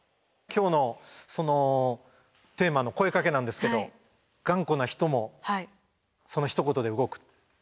今日のテーマの「声かけ」なんですけど頑固な人もそのひと言で動く。